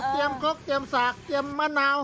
เตรียมข้อกเตรียมสากเตรียมมะนาว